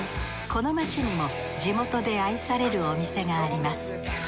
この街にも地元で愛されるお店があります。